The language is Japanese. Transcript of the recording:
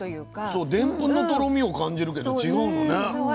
そうでんぷんのとろみを感じるけど違うのね。そう。